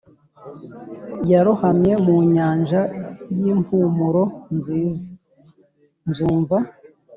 yarohamye mu nyanja yimpumuro nziza. nzumva